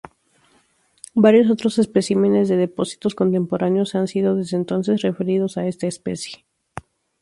Varios otros especímenes de depósitos contemporáneos han side desde entonces referidos a esta especie.